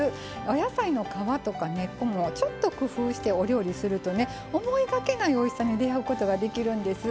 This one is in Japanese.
お野菜の皮とか根っこもちょっと工夫してお料理するとね思いがけないおいしさに出会うことができるんです。